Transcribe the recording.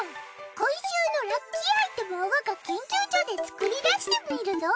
今週のラッキーアイテムを我が研究所で作り出してみるぞ。